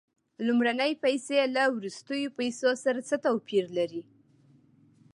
لومړنۍ پیسې له وروستیو پیسو سره څه توپیر لري